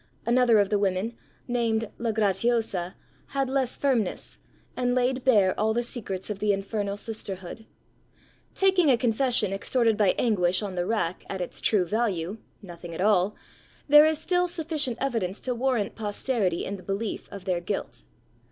Another of the women, named La Gratiosa, had less firmness, and laid bare all the secrets of the infernal sisterhood. Taking a confession extorted by anguish on the rack at its true value (nothing at all), there is still sufficient evidence to warrant posterity in the belief of their guilt.